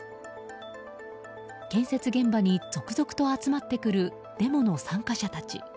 建設現場に続々と集まってくるデモの参加者たち。